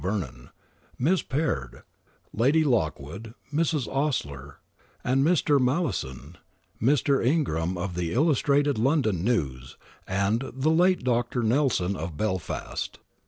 Vernon, Miss Peard, Lady Lockwood, Mrs. Osier and Mr. Malleson, Mr. Ingram of the Illustrated London News, and the late Dr. Nelson of Belfast.